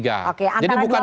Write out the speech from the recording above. antara dua partai